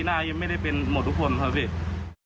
หน้ายังไม่ได้เป็นหมดทุกคนครับพี่